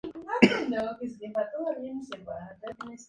Además, presenta uno de los índices de delincuencia más bajos del país.